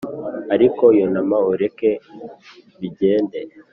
ariko yunama ureke bigende.